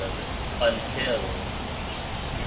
until. Z.